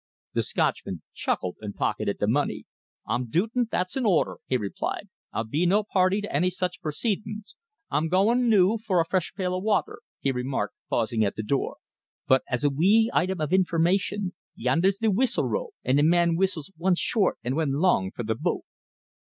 The Scotchman chuckled and pocketed the money. "I'm dootin' that's in order," he replied. "I'll no be party to any such proceedin's. I'm goin' noo for a fresh pail of watter," he remarked, pausing at the door, "but as a wee item of information: yander's th' wheestle rope; and a mon wheestles one short and one long for th' boat."